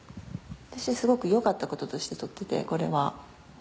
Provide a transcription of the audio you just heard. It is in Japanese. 私はすごく良かったこととして取っててこれは。